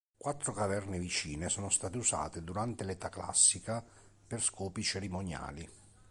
Quattro caverne vicine sono state usate durante l'età classica per scopi cerimoniali.